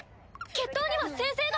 決闘には宣誓が。